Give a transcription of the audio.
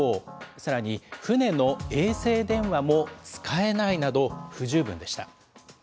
さらに船の衛星電話も使えないなど、不十分でした。